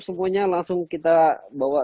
semuanya langsung kita bawa